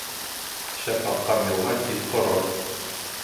Шәп аҡҡан йылға тиҙ ҡорор.